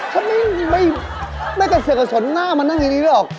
ฉันไม่กระเสือกกระสนหน้ามานั่งอย่างนี้ด้วยหรอก